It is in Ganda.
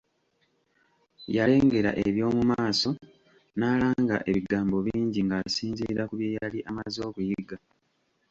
Yalengera eby'omu maaso, n'alanga ebigambo bingi ng'asinziira ku bye yali amaze okuyiga.